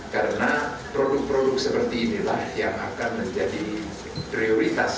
karena produk produk seperti inilah yang akan menjadi prioritas